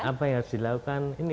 apa yang harus dilakukan begitu ya